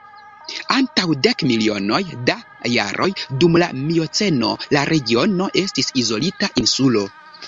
Antaŭ dek milionoj da jaroj, dum la mioceno, la regiono estis izolita insulo.